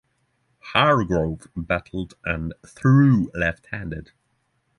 Hargrove batted and threw left-handed.